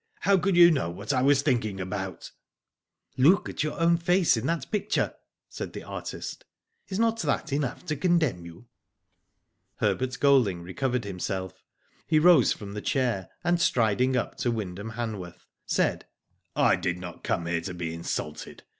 How could you know what I was thinking about ?"*' Look at your own face in that picture," said the artist. "Is not that enough to condemn you ?" Herbert Golding recovered himself. He rose from the chair, and striding up to Wyndham Ham worth, said : I did not come here to be insulted.